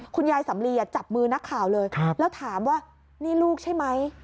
คุณยายสำลีจับมือนักข่าวเลยแล้วถามว่านี่ลูกใช่ไหม